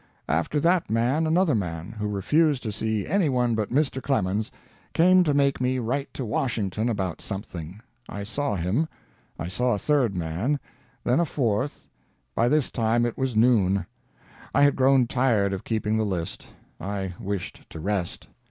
"After that man another man, who refused to see any one but Mr. Clemens, came to make me write to Washington about something. I saw him. I saw a third man, then a fourth. By this time it was noon. I had grown tired of keeping the list. I wished to rest.